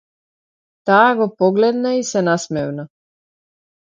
Таа го погледна и се насмевна.